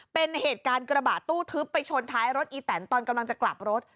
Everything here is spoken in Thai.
เป็นเหตุการณ์กระบะตู้ทึบไปชนท้ายรถอีแตนตอนกำลังจะกลับรถ